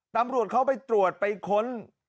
ตำรวจเข้าไปตรวจไปค้น